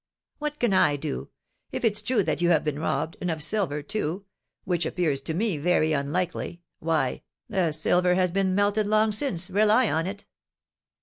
"What can I do? If it's true that you have been robbed, and of silver, too (which appears to me very unlikely), why, the silver has been melted long since, rely on it."